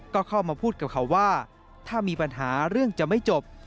ก็เข้ามาพูดกับเขาว่าถ้ามีปัญหาเรื่องจะไม่จบ